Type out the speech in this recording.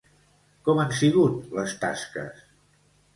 Com han sigut les tasques?